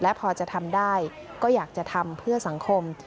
พอจะทำได้ก็อยากจะทำเพื่อสังคม